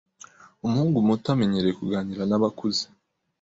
Umuhungu muto amenyereye kuganira nabakuze.